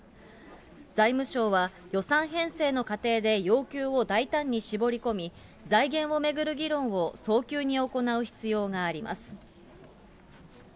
財務省は、予算編成の過程で要求を大胆に絞り込み、財源を巡る議論を早急に行う必要があります。